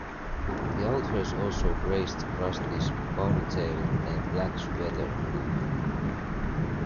The authors also praised Krusty's "ponytail and black sweater" look.